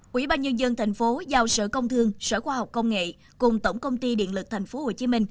quỹ ba nhân dân tp hcm giao sở công thương sở khoa học công nghệ cùng tổng công ty điện lực tp hcm